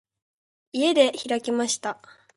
家で開きました。